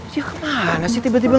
dia kemana sih tiba tiba